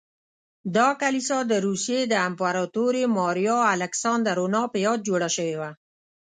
دا کلیسا د روسیې د امپراتورې ماریا الکساندرونا په یاد جوړه شوې وه.